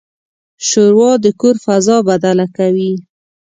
ښوروا د کور فضا بدله کوي.